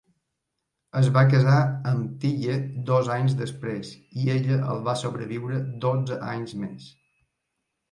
Es va casar amb Tiye dos anys després i ella el va sobreviure dotze anys més.